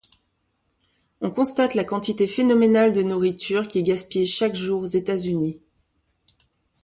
On constate la quantité phénoménale de nourriture qui est gaspillée chaque jour aux États-Unis.